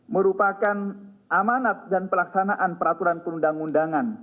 merupakan amanat dan pelaksanaan peraturan perundang undangan